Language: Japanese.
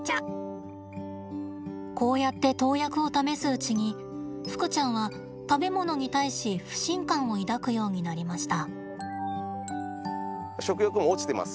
こうやって投薬を試すうちにふくちゃんは食べ物に対し不信感を抱くようになりました。